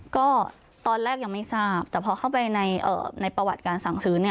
ก็ตอนแรกยังไม่ทราบแต่พอเข้าไปในประวัติการสั่งซื้อเนี่ย